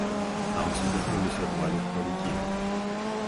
Там сутыкнуліся два легкавікі.